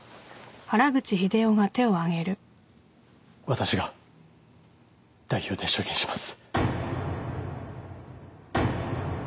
私が代表で証言します。